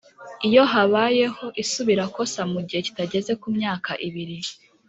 Iyo habayeho isubirakosa mu gihe kitageze ku myaka ibiri